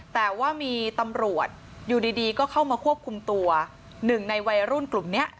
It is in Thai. แต่ว่ามีตำรวจอยู่ดีก็เข้ามาควบคุมตัวหนึ่งในวัยรุ่นกลุ่มนี้